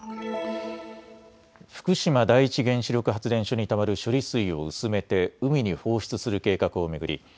福島第一原子力発電所にたまる処理水を薄めて海に放出する計画を巡り